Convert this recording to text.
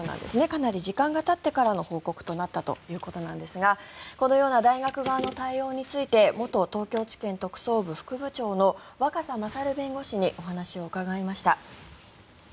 かなり時間がたってからの報告となったということなんですがこのような大学側の対応について元東京地検特捜部副部長の若狭勝弁護士にお話を伺いました。